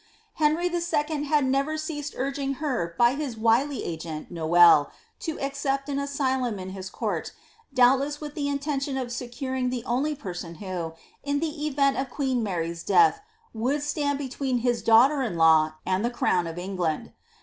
Henry 11. had never ceased urging her by his wily agent Noailles to accept an asylum in his court, doubtless with the intention of securing the only person who, in the event of queen Mary's death, would stand between his daughter in law and the crown of England.